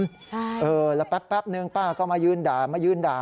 ใช่เออแล้วแป๊บนึงป้าก็มายืนด่ามายืนด่า